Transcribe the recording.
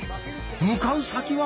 向かう先は。